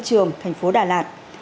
trường thành phố đà lạt